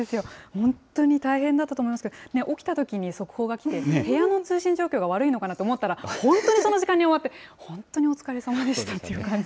本当に大変だったと思いますけど、起きたときに速報が来て、部屋の通信状況が悪いのかなと思ったら、本当にその時間に終わって、本当にお疲れさまでしたという感じ。